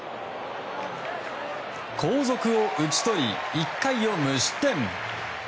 後続を打ち取り、１回を無失点。